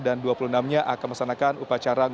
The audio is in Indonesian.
dan dua puluh enam nya akan mesanakan upacara